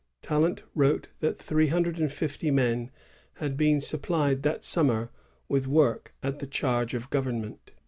Talon wrote that three hundred and fifty men had been supplied that summer with work at the charge of government.